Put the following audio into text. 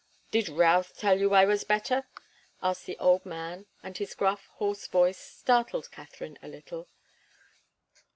"Did Routh tell you I was better?" asked the old man, and his gruff, hoarse voice startled Katharine a little.